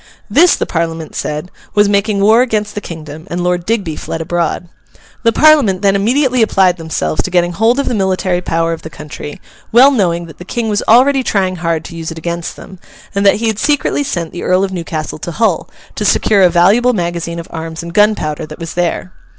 This, the Parliament said, was making war against the kingdom, and Lord Digby fled abroad. The Parliament then immediately applied themselves to getting hold of the military power of the country, well knowing that the King was already trying hard to use it against them, and that he had secretly sent the Earl of Newcastle to Hull, to secure a valuable magazine of arms and gunpowder that was there.